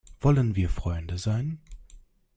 Wollen wir Freunde sein?